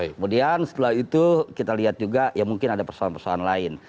kemudian setelah itu kita lihat juga ya mungkin ada persoalan persoalan lain